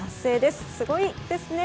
すごいですね！